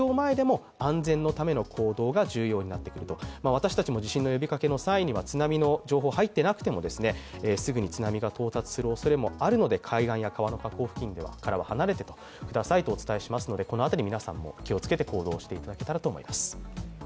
私たちも地震の呼びかけの際には津波の情報が入っていなくてもすぐに津波が到達するおそれもあるので海岸や河口付近からは離れてくださいとお伝えしますのでこの辺り、皆さんも気をつけて行動していただけたらと思います。